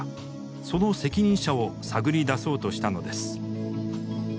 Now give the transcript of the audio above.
その責任者を探り出そうとしたのです。